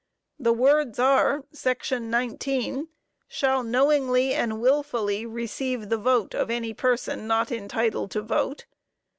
The words are (Sec. 19) "shall knowingly and wilfully receive the vote of any person not entitled to vote."